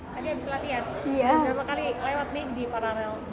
tadi habis latihan berapa kali lewat nih di paralel